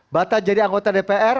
bata jadi anggota dpr